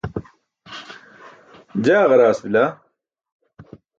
jaa ġaraas bila